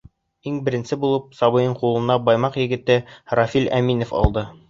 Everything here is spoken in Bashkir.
Иң беренсе булып сабыйын ҡулына Баймаҡ егете Рәфил Әминев алды.